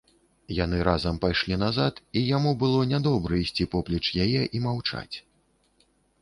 Яны разам пайшлі назад, і яму было нядобра ісці поплеч яе і маўчаць.